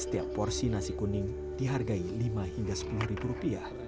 setiap porsi nasi kuning dihargai rp lima rp sepuluh